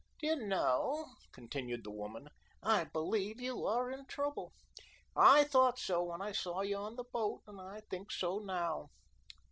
"Do you know," continued the woman, "I believe you are in trouble. I thought so when I saw you on the boat, and I think so now.